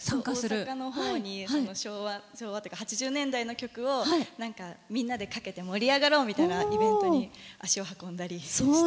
大阪のほうに昭和っていうか８０年代の曲をみんなでかけて盛り上がろうみたいなイベントに足を運んだりして。